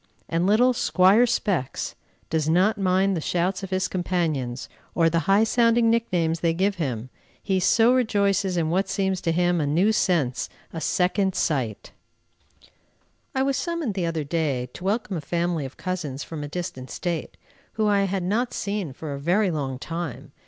and little "Squire Specs" does not mind the shouts of his companions or the high sounding nicknames they give him, he so rejoices in what seems to him a new sense, a second sight. I was summoned, the other day, to welcome a family of cousins from a distant State, whom I had not seen for a very long time.